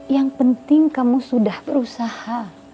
yang penting kamu sudah berusaha